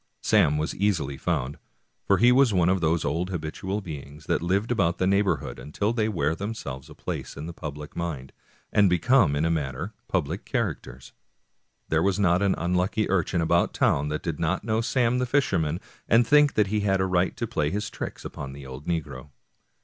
Sam was easily found, for he was one of those old habitual beings that live about a neighborhood until they wear themselves a place in the public mind, and become, in a manner, public characters. There was not an unlucky urchin about town that did not know Sam the fisherman, and think that he had a right to play his tricks upon the old negro.